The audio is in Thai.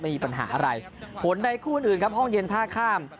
มีปัญหาอะไรผลในคู่อื่นครับห้องเย็นท่าข้าม